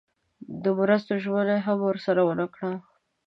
د مرستو ژمنه یې هم ورسره ونه کړه.